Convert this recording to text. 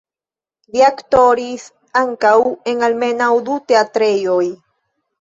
Li aktoris ankaŭ en almenaŭ du teatrejoj.